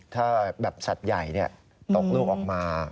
ถ้าแบบสัตว์ใหญ่ตกลูกออกมา